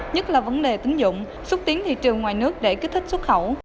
nhất là vấn đề tính dụng xúc tiến thị trường ngoài nước để kích thích xuất khẩu